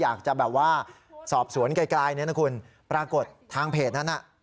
อยากจะแบบว่าสอบสวนไกลเนี่ยนะคุณปรากฏทางเพจนั้นน่ะ